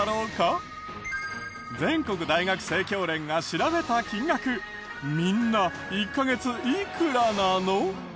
全国大学生協連が調べた金額みんな１カ月いくらなの？